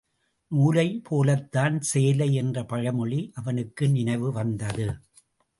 நூலைப் போலத்தான் சேலை என்ற பழமொழி அவனுக்கு நினைவு வந்தது.